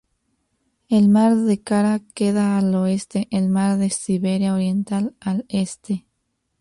El mar de Kara queda al oeste, el mar de Siberia Oriental al este.